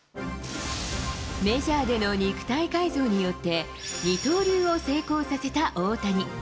メジャーでの肉体改造によって、二刀流を成功させた大谷。